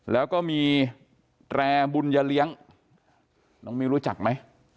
แล้วก็มีแตรบุญยเลี้ยงน้องมิวรู้จักไหม